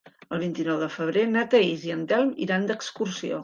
El vint-i-nou de febrer na Thaís i en Telm iran d'excursió.